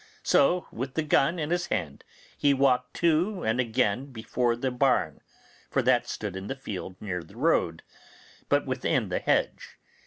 So with the gun in his hand, he walked to and again before the barn, for that stood in the field near the road, but within the hedge.